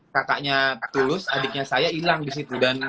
kakaknya tulus adiknya saya hilang disitu dan